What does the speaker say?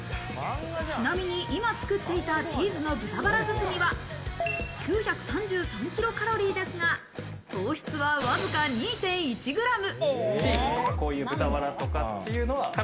ちなみに今、作っていたチーズの豚バラ包みは、９３３キロカロリーですが、糖質はわずか２．１グラム。